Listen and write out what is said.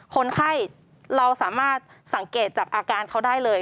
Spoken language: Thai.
คนไข้เราสามารถสังเกตจากอาการเขาได้เลย